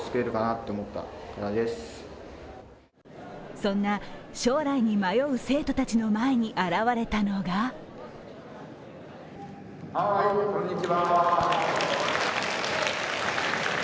そんな将来に迷う生徒たちの前に現れたのがはーい、こんにちは。